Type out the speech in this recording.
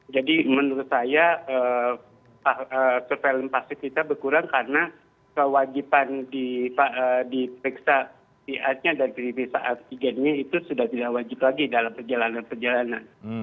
jadi menurut saya surveillance pasif kita berkurang karena kewajiban diperiksa tia nya dan periksa artigennya itu sudah tidak wajib lagi dalam perjalanan perjalanan